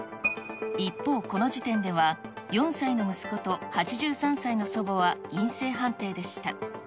一方、この時点では４歳の息子と８３歳の祖母は陰性判定でした。